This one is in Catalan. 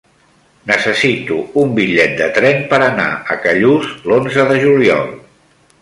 Necessito un bitllet de tren per anar a Callús l'onze de juliol.